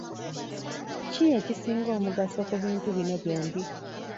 Ki ekisinga omugaso ku bintu bino byombi?